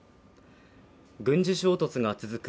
軍事衝突が続く